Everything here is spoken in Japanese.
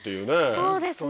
そうですね